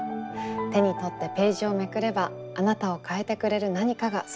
手に取ってページをめくればあなたを変えてくれる何かがそこにあるかもしれません。